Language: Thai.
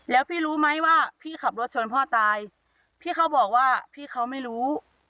แล้วพี่รู้ไหมว่าพี่ขับรถชนพ่อตายพี่เขาบอกว่าพี่เขาไม่รู้